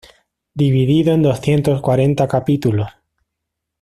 Dividido en doscientos cuarenta capítulos.